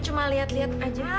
cuma lihat lihat saja